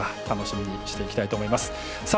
楽しみにしていきたいと思います。